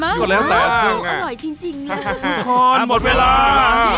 ทุกคนหมดเวลา